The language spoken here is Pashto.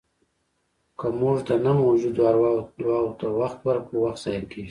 که موږ د نه موجودو ارواوو دعاوو ته وخت ورکړو، وخت ضایع کېږي.